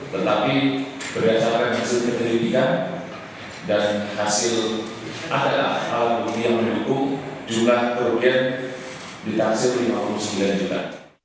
tetapi berdasarkan hasil penelitian dan hasil adalah hal hal yang menurutku jumlah korban ditahankan lima puluh sembilan juta